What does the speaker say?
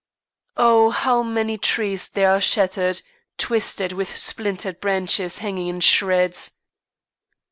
Oh, how many trees there are shattered, twisted, with splintered branches hanging in shreds!